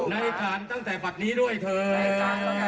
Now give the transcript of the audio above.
ในฐานตั้งแต่บัตรนี้ด้วยเถิด